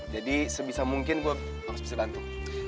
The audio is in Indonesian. jadi sebisa mungkin gue harus bisa bantu